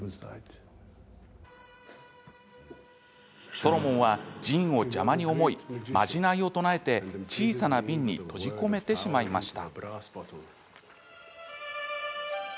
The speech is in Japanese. ソロモンはジンを邪魔に思いまじないを唱えて、小さな瓶に閉じ込めてしまいました。